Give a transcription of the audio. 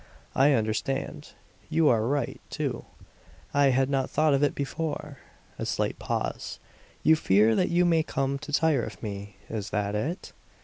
"I understand. You are right, too. I had not thought of it before." A slight pause. "You fear that you may come to tire of me; is that it?"